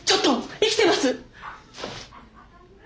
生きてます！